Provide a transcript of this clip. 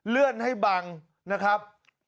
เลื่อนให้บังนะครับ